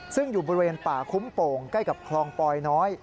ซึ่งอยู่บริเวณป่าคุ้มโป่งใกล้กับคลองปอยน้อย